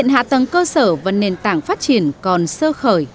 hạ tầng cơ sở và nền tảng phát triển còn sơ khởi